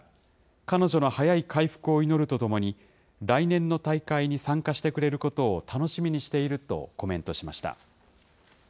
彼女の早い回復を祈るとともに、来年の大会に参加してくれることを楽しみにしているとコメントしました。